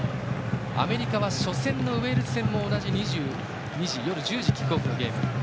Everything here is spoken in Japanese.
アメリカは初戦のウェールズ戦も同じ２２時夜１０時キックオフのゲームでした。